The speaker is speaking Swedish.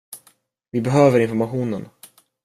Vi behöver informationen.